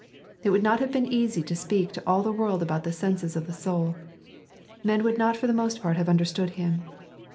It would not have been easy to speak to all the world about the senses of the soul. Men would not for the most part have understood Him.